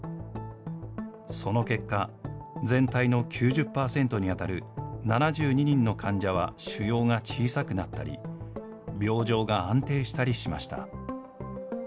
その結果、全体の９０％に当たる７２人の患者は腫瘍が小さくなったり、病状が安定したりしました。